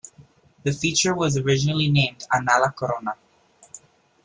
The feature was originally named Anala Corona.